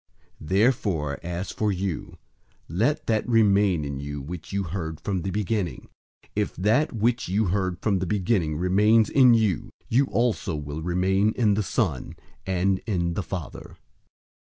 002:024 Therefore, as for you, let that remain in you which you heard from the beginning. If that which you heard from the beginning remains in you, you also will remain in the Son, and in the Father.